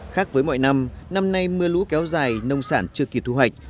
khác với mọi năm năm nay mưa lũ kéo dài nông sản chưa kịp thu hoạch